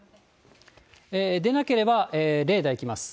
出なければレーダーいきます。